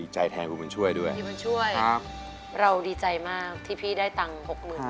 อเจมส์หมายความเป็นช่วยด้วย